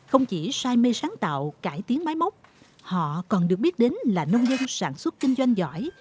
không chỉ sai mê sáng tạo cải tiến máy móc họ còn được biết đến là nông dân sản xuất kinh doanh giỏi